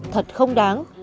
thật không đáng